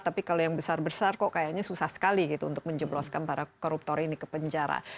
tapi kalau yang besar besar kok kayaknya susah sekali gitu untuk menjebloskan para koruptor ini ke penjara